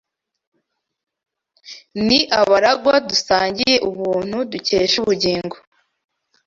Ni abaragwa dusangiye ubuntu dukesha ubugingo